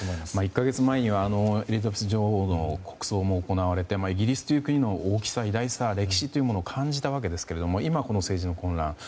１か月前にはエリザベス女王の国葬が行われてイギリスという国の大きさ偉大さ、歴史というのを感じたわけですけれども今、政治の混乱